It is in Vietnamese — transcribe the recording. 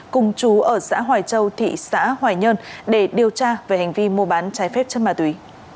cùng chú ở xã hoài châu thị xã hoài nhơn để điều tra về hành vi mua bán trái phép chất ma túy